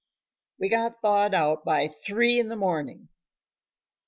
We got thawed out by three in the morning.